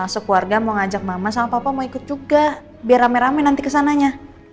sekeluarga mau ngajak mama sama papa mau ikut juga biar rame rame nanti kesananya